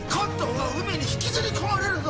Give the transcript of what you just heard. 海に引きずり込まれるぞ！